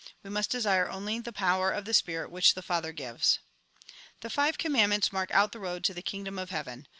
We must desire only the power of the Spirit, which the Father gives. " The five commandments mark out the road to the Kingdom of Heaven.